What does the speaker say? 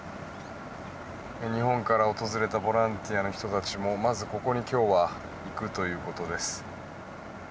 日本から訪れたボランティアの人たちもまずここに今日は行くということです。